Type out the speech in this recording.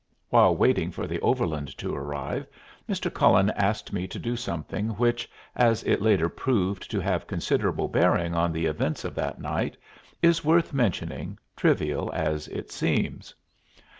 While waiting for the overland to arrive, Mr. Cullen asked me to do something which, as it later proved to have considerable bearing on the events of that night, is worth mentioning, trivial as it seems.